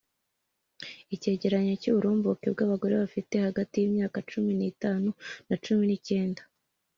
ikigereranyo cy'uburumbuke bw'abagore bafite hagati y'imyaka cumi n’itanu na cumi n’icyenda